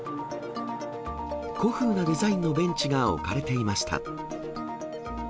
古風なデザインのベンチが置かれていました。